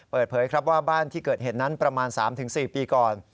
เปิดเผยครับว่าบ้านที่เกิดเหตุนั้นประมาณ๓๔ปีก่อน